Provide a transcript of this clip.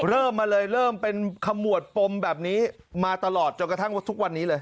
เริ่มมาเลยเริ่มเป็นขมวดปมแบบนี้มาตลอดจนกระทั่งว่าทุกวันนี้เลย